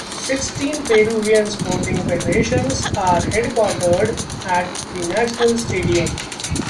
Sixteen Peruvian sporting federations are headquartered at the national stadium.